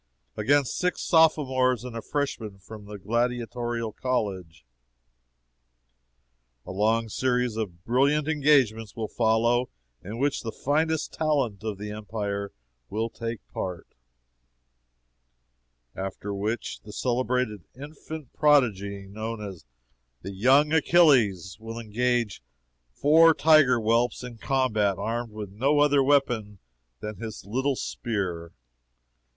against six Sophomores and a Freshman from the Gladiatorial College! A long series of brilliant engagements will follow, in which the finest talent of the Empire will take part After which the celebrated Infant Prodigy known as "THE YOUNG ACHILLES," will engage four tiger whelps in combat, armed with no other weapon than his little spear!